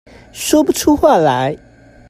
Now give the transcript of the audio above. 說不出話來